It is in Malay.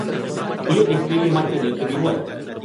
Kulit di sekeliling matanya kebiruan